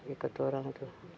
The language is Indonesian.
ikut orang itu